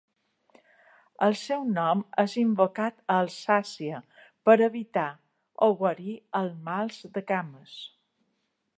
El seu nom és invocat a Alsàcia per evitar o guarir el mal de cames.